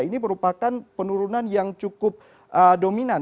ini merupakan penurunan yang cukup dominan